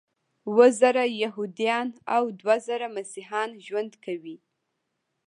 هفت زره یهودان او دوه زره مسیحیان ژوند کوي.